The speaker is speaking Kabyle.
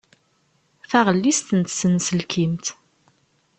Taɣellist n tsenselkimt.